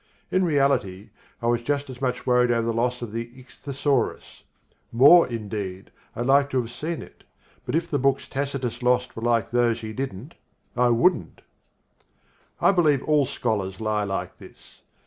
In reality I was just as much worried over the loss of the ichthyosaurus. More, indeed: I'd like to have seen it: but if the books Tacitus lost were like those he didn't, I wouldn't. I believe all scholars lie like this.